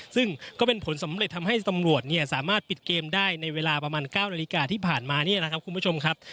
ซึ่งก็เป็นผลสำเร็จทำให้ตำรวจเนี่ยสามารถปิดเกมได้ในเวลาประมาณ๙นาฬิกาที่ผ่านมานี่แหละครับคุณผู้ชมครับ